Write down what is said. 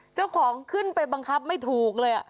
เจ้าของขึ้นไปบังคับไม่ถูกเลย